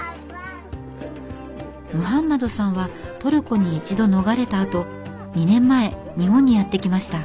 ムハンマドさんはトルコに一度逃れたあと２年前日本にやって来ました。